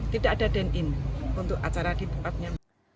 tidak ada den in untuk acara di tempatnya